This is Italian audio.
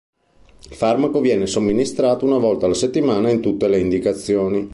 Il farmaco viene somministrato una volta alla settimana in tutte le indicazioni.